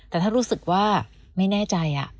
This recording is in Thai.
แต่ถ้ารู้สึกว่าไม่แน่ใจ